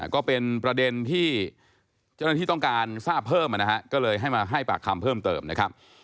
ก็เป็นประเด็นที่เจ้าหน้าที่ต้องการทราบเพิ่มนะฮะก็เลยให้มาให้ปากคำเพิ่มเติมนะครับ